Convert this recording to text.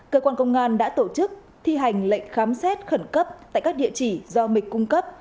cơ quan công an đã tổ chức thi hành lệnh khám xét khẩn cấp tại các địa chỉ do mệch cung cấp